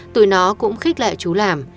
tụi nó cũng khích lại chú làm